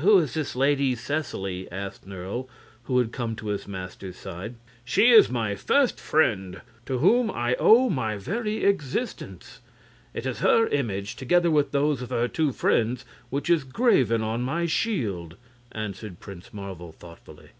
"Who is this Lady Seseley?" asked Nerle, who had come to his master's side. "She is my first friend, to whom I owe my very existence. It is her image, together with those of her two friends, which is graven on my shield," answered Prince Marvel, thoughtfully.